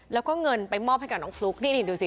แล้วก็เงินไปมอบให้กับน้องฟลุ๊กนี่ดูสิ